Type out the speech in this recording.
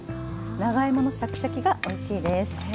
長芋のシャキシャキがおいしいです。ね。